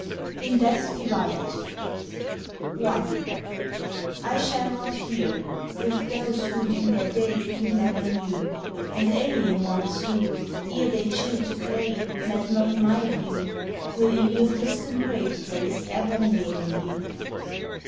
IN DEATH DIVIDED I I SHALL rot here, with those whom in their day You never knew, And alien ones who, ere they chilled to clay, Met not my view, Will in your distant grave place ever neighbour you.